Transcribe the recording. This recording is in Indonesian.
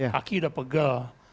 kaki sudah pegel